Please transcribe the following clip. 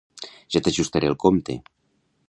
Ja t'ajustaré el compte!